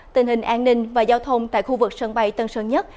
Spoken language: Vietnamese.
tình hình an ninh và giao thông tại khu vực sân bay tân sơn nhất